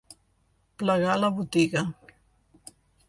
Plegar la botiga.